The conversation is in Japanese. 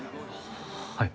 はい。